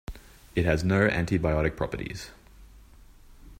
It has no antibiotic properties.